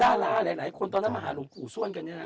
ดาราหลายคนตอนนั้นมาหาหลวงปู่ส้วนกันเนี่ยนะ